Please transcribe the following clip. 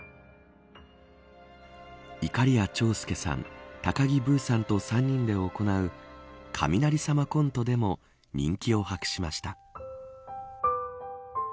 いかりや長介さん高木ブーさんと３人で行う雷様コントでも人気を博しました。